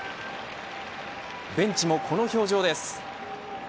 ベンチもこの表情です。